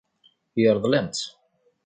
Yeṛḍel-am-tt.